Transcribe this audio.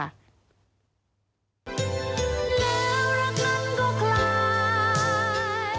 แล้วรักมันก็ใคร